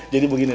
jadi begini neng